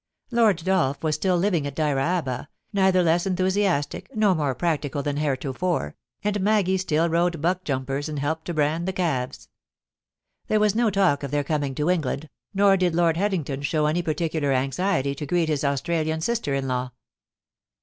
Lord Dolph was still living at Dyraaba, neither less enthusiastic nor more practical than heretofore, and Maggie still rode buck jumpers and helped to brand the calves. There was no talk of their coming to England, nor did Lord Headington show any particular anxiety to greet his Australian sister in law.